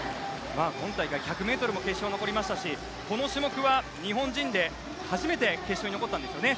今大会１００ｍも決勝に残りましたしこの種目は日本人で初めて決勝に残ったんですよね。